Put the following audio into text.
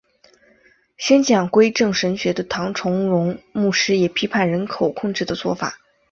宣讲归正神学的唐崇荣牧师也批判人口控制的做法。